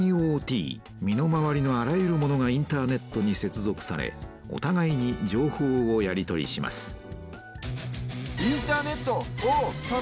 身の回りのあらゆるものがインターネットに接続されおたがいに情報をやり取りします